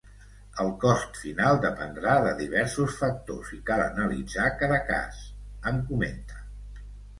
“El cost final dependrà de diversos factors i cal analitzar cada cas”, em comenta.